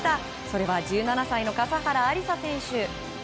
それは１７歳の笠原有彩選手。